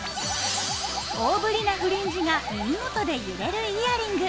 大ぶりなフリンジが耳元で揺れるイヤリング。